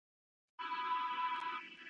الله دې زموږ نيتونه سم کړي.